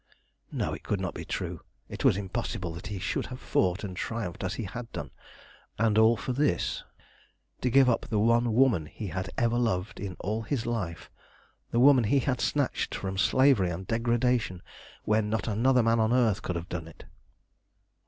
No, it could not be true. It was impossible that he should have fought and triumphed as he had done, and all for this. To give up the one woman he had ever loved in all his life, the woman he had snatched from slavery and degradation when not another man on earth could have done it.